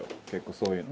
そういうの。